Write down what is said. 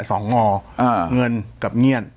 สองงอเงินกับเงี่ยน